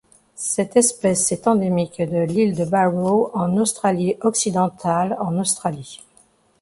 Cette espèce est endémique de l'île de Barrow en Australie-Occidentale en Australie.